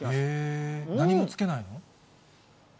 何もつけないの？